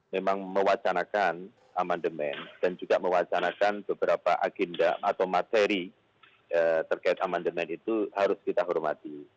memang mewacanakan amandemen dan juga mewacanakan beberapa agenda atau materi terkait amendement itu harus kita hormati